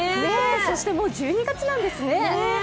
そしてもう１２月なんですね。